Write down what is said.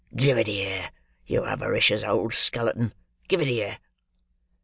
Give it here, you avaricious old skeleton, give it here!"